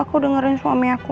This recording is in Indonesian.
aku dengerin suami aku